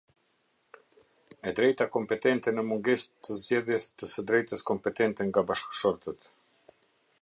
E drejta kompetente në mungesë të zgjedhjes të së drejtës kompetente nga bashkëshortët.